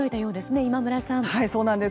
今村さん。